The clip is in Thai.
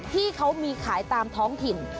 ที่เขามีขายตามท้องถิ่น